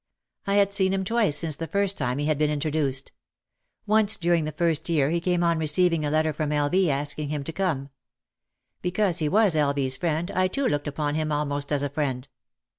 I had seen him twice since the first time he had been in troduced. Once during the first year he came on receiving a letter from L. V. asking him to come. Because he was L. V.'s friend I too looked upon him almost as a friend.